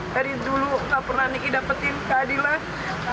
dari dulu gak pernah niki dapetin keadilan